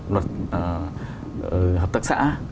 luật hợp tác xã